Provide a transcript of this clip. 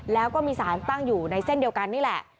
แล้วก็มีสารตั้งอยู่ในเส้นเดียวกันนี่แหละ